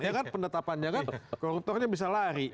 ya kan penetapannya kan koruptornya bisa lari